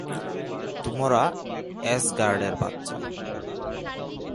তোমরা অ্যাসগার্ডের বাচ্চা।